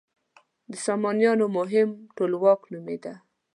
د سامانیانو مهم ټولواک نومېده.